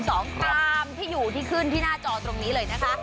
ตามที่อยู่ที่ขึ้นที่หน้าจอตรงนี้เลยนะคะ